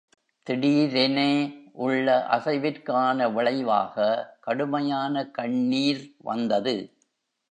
திடீரெனே உள்ள அசைவிற்கான விளைவாக கடுமையான கண்ணீர் வந்தது.